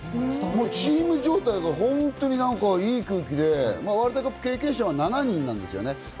チーム状態が本当にいい空気で、ワールドカップ経験者が７人なんですね。